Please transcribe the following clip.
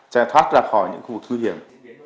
trải thoát ra khỏi những khu vực nguy hiểm